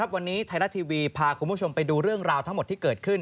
วันนี้ไทยรัฐทีวีพาคุณผู้ชมไปดูเรื่องราวทั้งหมดที่เกิดขึ้น